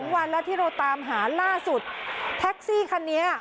วันแล้วที่เราตามหาล่าสุดแท็กซี่คันนี้